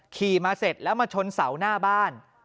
ขี่มาเสร็จแล้วมาชนเสาหน้าบ้าน